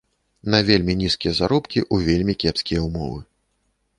На вельмі нізкія заробкі, у вельмі кепскія ўмовы.